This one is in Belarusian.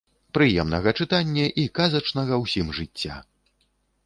Прыемнага чытання і казачнага ўсім жыцця!